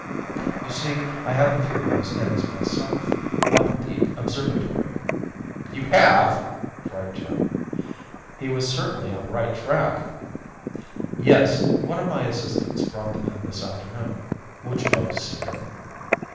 You see, I have a few of those eggs myself, up at the observatory." "You have?" cried Jim. He was certainly on the right track! "Yes. One of my assistants brought them in this afternoon. Would you like to see them?"